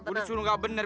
gue disuruh nggak bener